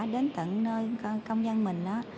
đến tận nơi công dân mình